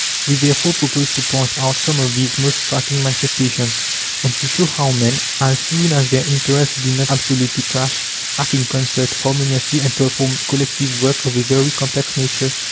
We therefore propose to point out some of these most striking manifestations, and to show how men, as soon as their interests do not absolutely clash, act in concert, harmoniously, and perform collective work of a very complex nature.